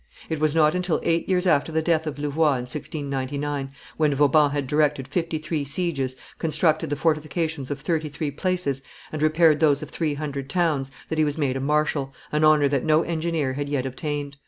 It was not until eight years after the death of Louvois, in 1699, when Vauban had directed fifty three sieges, constructed the fortifications of thirty three places, and repaired those of three hundred towns, that he was made a marshal, an honor that no engineer had yet obtained.